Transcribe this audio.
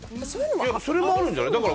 それもあるんじゃない？